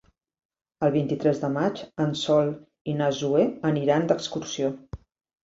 El vint-i-tres de maig en Sol i na Zoè aniran d'excursió.